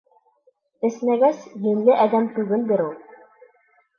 Эсмәгәс, йүнле әҙәм түгелдер ул.